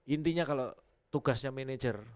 intinya kalau tugasnya manajer